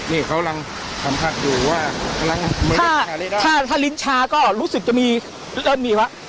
นี่เขาลำสัมผัสดูว่าถ้าถ้าถ้าลิ้นชาก็รู้สึกจะมีเริ่มมีวะ